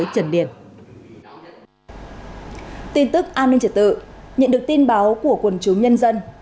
tên tức anmt nhận được tin báo của quần chủ nhân dân